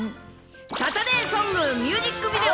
サタデーソングミュージックビデオ